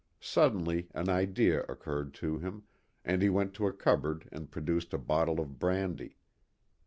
Suddenly an idea occurred to him, and he went to a cupboard and produced a bottle of brandy.